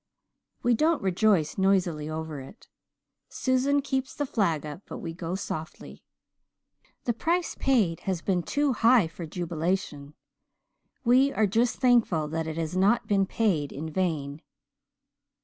We don't rejoice noisily over it. Susan keeps the flag up but we go softly. The price paid has been too high for jubilation. We are just thankful that it has not been paid in vain.